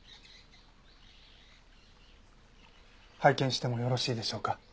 拝見してもよろしいでしょうか？